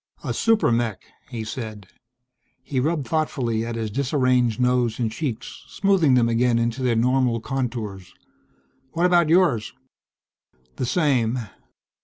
"A super mech!" he said. He rubbed thoughtfully at his disarranged nose and cheeks, smoothing them again into their normal contours. "What about yours?" "The same."